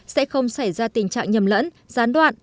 sẽ không xảy ra tình trạng nhầm lẫn gián đoạn